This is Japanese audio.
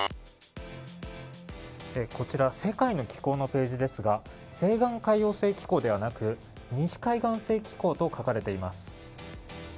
こちら世界の気候のページですが西岸海洋性気候ではなく西海岸性気候と書かれています。